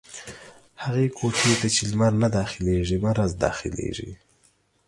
هغي کوټې ته چې لمر نه داخلېږي ، مرض دا خلېږي.